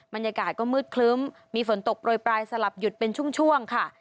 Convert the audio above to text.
บรรยากาศก็มืดคลึ้มมีฝนตกโปรยปลายสลับหยุดเป็นช่วงค่ะ